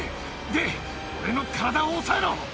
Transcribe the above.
で、俺の体を押さえろ。